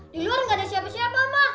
di luar gak ada siapa siapa mah